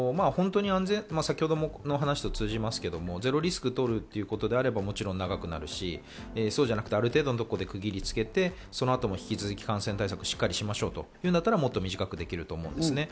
先程の話と通じますけど、ゼロリスクを取るということであれば、もちろん長くなるし、そうじゃなくて、ある程度のところで区切りをつけて、その後も引き続き感染対策をしっかりしましょうというなら、もっと短くできると思います。